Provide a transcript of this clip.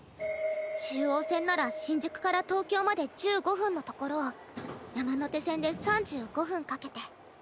中央線なら新宿から東京まで１５分のところを山手線で３５分かけて。